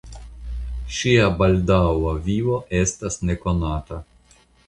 Ŝia baldaŭa vivo estas nekonata.